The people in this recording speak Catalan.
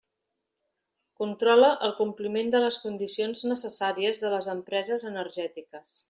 Controla el compliment de les condicions necessàries de les empreses energètiques.